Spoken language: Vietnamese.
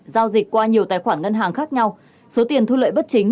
giao dịch qua nhiều tài khoản ngân hàng khác nhau số tiền thu lợi bất chính